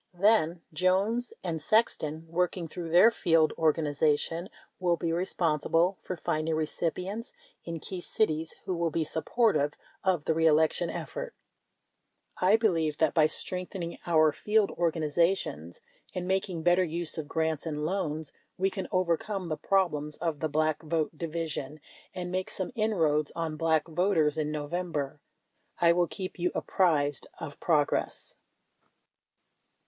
Then, Jones and Sexton, working through their field organization, will be responsible for finding recipients in key cities who will be supportive of the re election effort. I believe that by strengthening our field organizations and making better use of grants and loans, we can overcome the problems of the Black Vote Division, and make some in roads on Black voters in November. I will keep you apprised of progress.